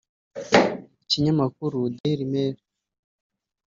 Ikinyamakuru Daily Mail